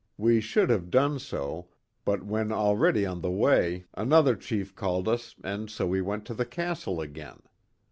We should have done so, but when already on the way another chief called us and so we went to the Castle again.